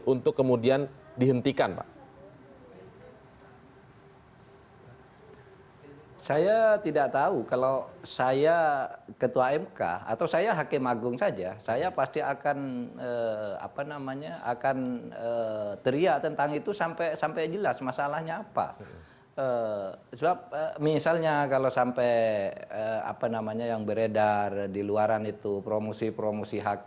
untuk menurut saya